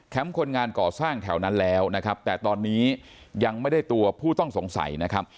คนงานก่อสร้างแถวนั้นแล้วนะครับแต่ตอนนี้ยังไม่ได้ตัวผู้ต้องสงสัยนะครับ